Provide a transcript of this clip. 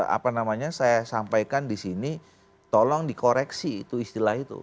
apa namanya saya sampaikan di sini tolong dikoreksi itu istilah itu